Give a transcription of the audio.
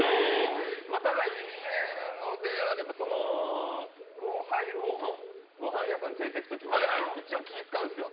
ただ、言えるのであれば後輩をご飯屋さんに連れていく時に一応気を遣うんですよ。